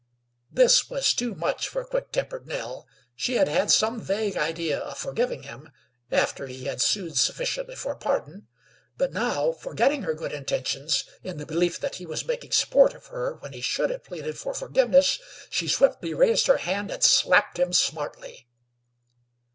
This was too much for quick tempered Nell. She had had some vague idea of forgiving him, after he had sued sufficiently for pardon; but now, forgetting her good intentions in the belief that he was making sport of her when he should have pleaded for forgiveness, she swiftly raised her hand and slapped him smartly.